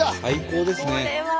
最高ですね。